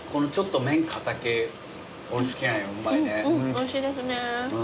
おいしいですね